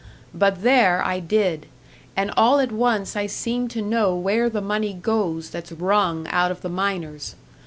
But there I did and all at once I seemed to know where the money goes that's wrung out of the miners.